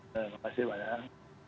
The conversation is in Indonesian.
terima kasih pak iwan